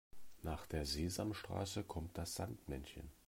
Nach der Sesamstraße kommt das Sandmännchen.